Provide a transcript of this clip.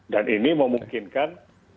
dan ini memungkinkan